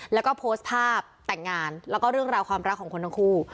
แล้วก็โพสต์ภาพแต่งงานแล้วก็เรื่องราวความรักของคนทั้งคู่